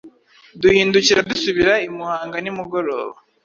duhindukira dusubira i Muhanga nimugoroba